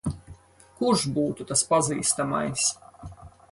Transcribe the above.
Kurš būtu tas pazīstamais?